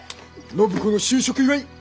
暢子の就職祝い！